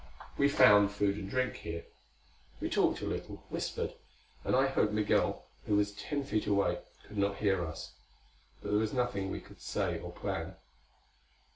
We found food and drink here. We talked a little; whispered; and I hoped Migul, who was ten feet away, could not hear us. But there was nothing we could say or plan.